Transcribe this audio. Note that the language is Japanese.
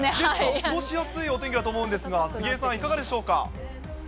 過ごしやすいお天気だと思うんですが、杉江さん、いかがでしょうか。